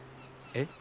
えっ？